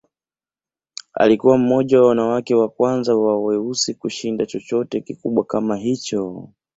Alikuwa mmoja wa wanawake wa kwanza wa weusi kushinda chochote kikubwa kama hicho.